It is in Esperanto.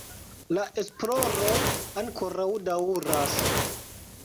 La esploroj ankoraŭ daŭras.